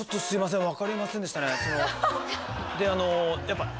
すみません。